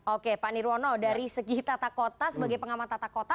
oke pak nirwono dari segi tata kota sebagai pengamat tata kota